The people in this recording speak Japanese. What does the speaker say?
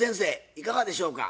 いかがでしょうか？